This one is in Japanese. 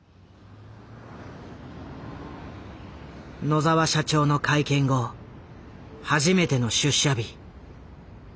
野澤社長の会見後初めての出社日。